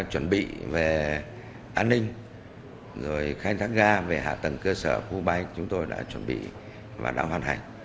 tuy nhiên lượng khách ở khu bay chúng tôi đã chuẩn bị và đã hoàn hành